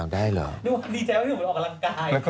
อ้าวได้หรอ